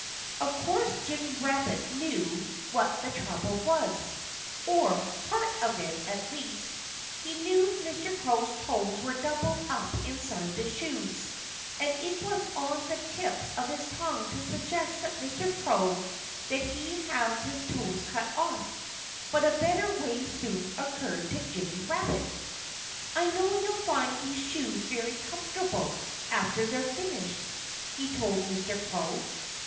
Of course Jimmy Rabbit knew what the trouble was or part of it, at least. He knew that Mr. Crow's toes were doubled up inside the shoes. And it was on the tip of his tongue to suggest to Mr. Crow that he have his toes cut off. But a better way soon occurred to Jimmy Rabbit. "I know you'll find these shoes very comfortable after they're finished," he told Mr. Crow.